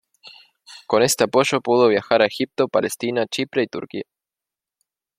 Con este apoyo pudo viajar a Egipto, Palestina, Chipre y Turquía.